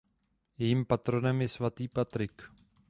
Jejím patronem je svatý Patrik.